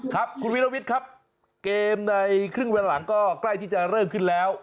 ครับคุณวิรวิทย์ครับเกมในครึ่งวันหลังก็ใกล้ที่จะเริ่มขึ้นแล้ว